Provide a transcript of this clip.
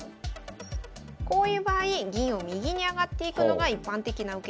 こういう場合銀を右に上がっていくのが一般的な受け方。